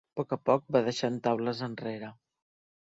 Poc a poc va deixant taules enrere.